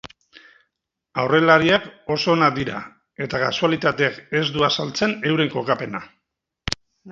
Aurrelariak oso onak dira eta kasualitateak ez du azaltzen euren kokapena.